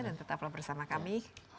dan tetaplah bersama kami